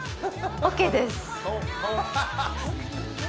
ＯＫです。